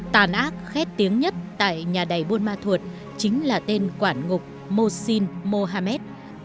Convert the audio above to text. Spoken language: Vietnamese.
tàn ác khét tiếng nhất tại nhà đầy buôn ma thuột chính là tên quả ngục mô xin mô ha mét